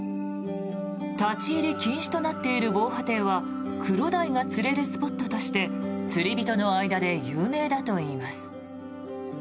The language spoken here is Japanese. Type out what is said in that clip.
立ち入り禁止となっている防波堤はクロダイが釣れるスポットとして釣り人の間で有名だといいます。